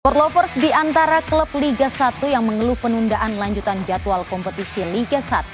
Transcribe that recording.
perlovers di antara klub liga satu yang mengeluh penundaan lanjutan jadwal kompetisi liga satu